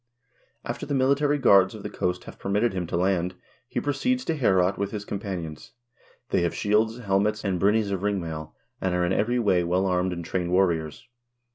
After the military guards of the coast have permitted him to land, he proceeds to Heorot with his companions. They have shields, helmets, and brynies of ring mail, and are in every way well armed and trained warriors.